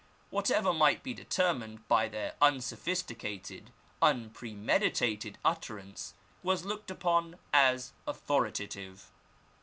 Whatever might be determined by their unsophisticated, unpremeditated utterance was looked upon as authoritative.